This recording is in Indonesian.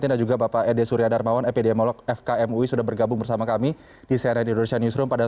dan juga bapak ede surya darmawan epidemiolog fkmui sudah bergabung bersama kami di cnn indonesia